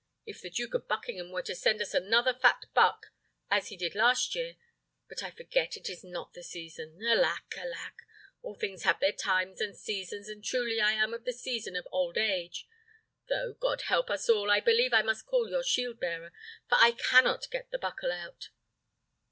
If the Duke of Buckingham were to send us another fat buck, as he did last year: but I forget, it is not the season. Alack, alack! all things have their times and seasons, and truly I am of the season of old age; though, God help us all! I believe I must call your shield bearer, for I cannot get the buckle out."